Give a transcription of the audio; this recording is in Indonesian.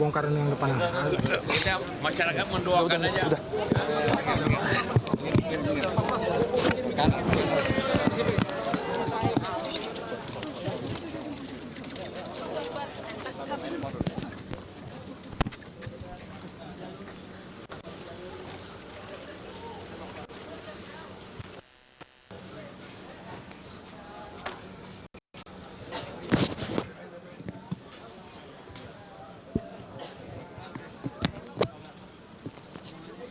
nanti kalau sudah selesai